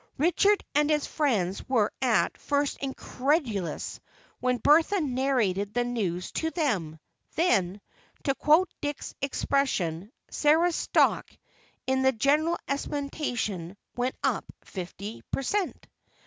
Richard and his friends were at first incredulous when Bertha narrated the news to them; then, to quote Dick's expression, Sarah's stock, in the general estimation, went up fifty per cent.